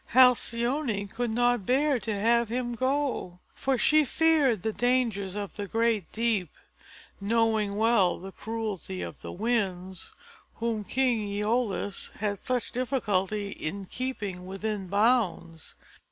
Halcyone could not bear to have him go, for she feared the dangers of the great deep, knowing well the cruelty of the Winds, whom King Æolus had such difficulty in keeping within bounds.